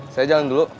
saya jalan dulu